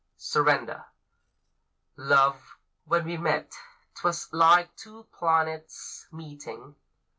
SURRENDER. Love, when we met, 'twas like two planets meeting.